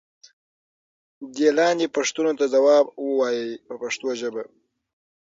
دې لاندې پوښتنو ته ځواب و وایئ په پښتو ژبه.